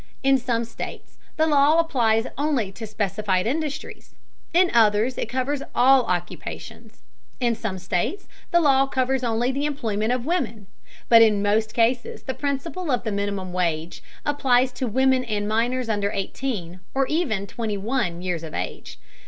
In some states the law applies only to specified industries; in others it covers all occupations. In some states the law covers only the employment of women, but in most cases the principle of the minimum wage applies to women and minors under eighteen, or even twenty one years of age.